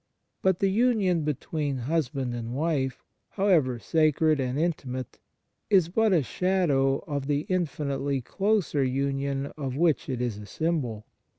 But the union between husband and wife, however sacred and intimate, is but a shadow of the infinitely closer union of which it is a symbol.